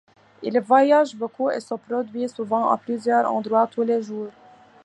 Il voyage beaucoup et se produit souvent à plusieurs endroits tous les jours.